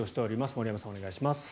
森山さん、お願いします。